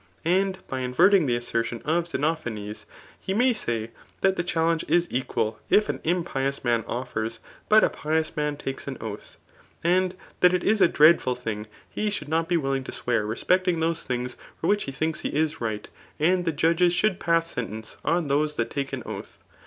And by inverting the assertion of Xenophanes he may say, diat die challenge is equal, if an mipious man offers, but a pious mhn takes an oath. And that it is a dreadful thing CHAK XYI. AHtTORIO. 9$ he 8l)ould not be viUing to sweur iwpoctiag thoae tUi^ for which he thinks it right that the judges should pMi aentoioe on those dat take an oath.